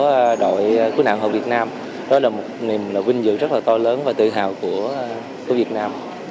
của đội cứu nạn hộ việt nam đó là một niềm vinh dự rất là to lớn và tự hào của việt nam